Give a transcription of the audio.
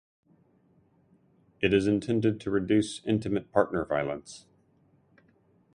It is intended to reduce intimate partner violence.